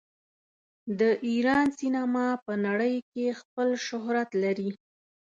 د ایران سینما په نړۍ کې خپل شهرت لري.